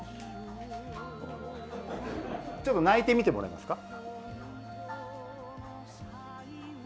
ちょっと泣いてみてもらえますか？